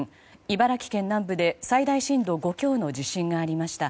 茨城県南部で最大震度５強の地震がありました。